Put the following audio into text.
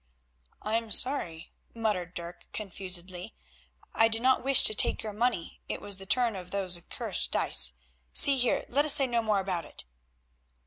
"I am sorry," muttered Dirk, confusedly, "I did not wish to take your money; it was the turn of those accursed dice. See here, let us say no more about it."